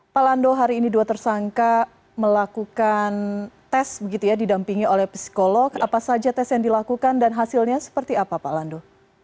pak lando hari ini dua tersangka melakukan tes didampingi oleh psikolog apa saja tes yang dilakukan dan hasilnya seperti apa pak lando